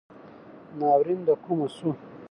ناورین دکومه شو